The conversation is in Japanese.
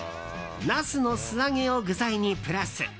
ナスの素揚げを具材にプラス。